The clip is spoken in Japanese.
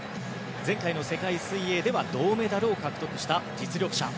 前回の世界水泳では銅メダルを獲得した、実力者。